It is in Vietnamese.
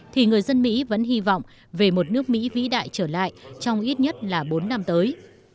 thì người dân mỹ vẫn hy vọng về một nước mỹ vĩ đại trở lại trong ít nhất là bốn năm tới